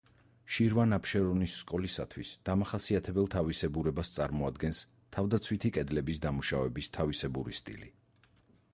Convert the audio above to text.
შირვან-აბშერონის სკოლისათვის დამახასიათებელ თავისებურებას წარმოადგენს თავდაცვითი კედლების დამუშავების თავისებური სტილი.